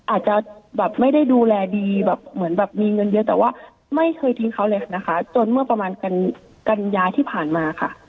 อาจจะแบบไม่ได้ดูแลดีแบบเหมือนแบบมีเงินเยอะแต่ว่าไม่เคยทิ้งเขาเลยนะคะจนเมื่อประมาณกันยาที่ผ่านมาค่ะ